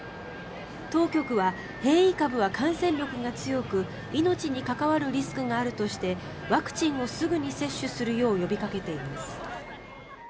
当局は変異株は感染力が強く命に関わるリスクがあるとしてワクチンをすぐに接種するよう呼びかけています。